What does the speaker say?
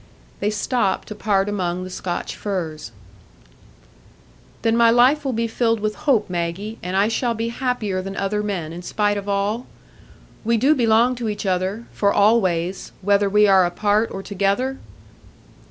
They stopped to part among the Scotch firs. "Then my life will be filled with hope, Maggie, and I shall be happier than other men, in spite of all? We do belong to each other—for always—whether we are apart or together?"